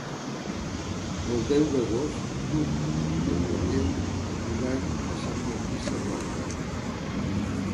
El deu d'agost n'Hug i en Mateu iran a Sant Martí Sarroca.